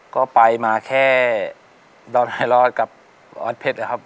ก็ไปมาแค่ดอนไฮลอสกับออสเพชรนะครับ